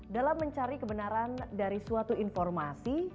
dalam mencari kebenaran dari suatu informasi